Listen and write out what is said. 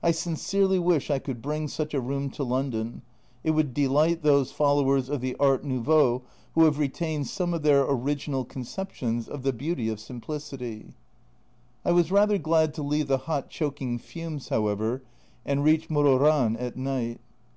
I sincerely wish I could bring such a room to London, it would delight those followers of the art nouveau who have retained some of their original conceptions of the beauty of 28 A Journal from Japan simplicity. I was rather glad to leave the hot choking fumes, however, and reach Mororan at night.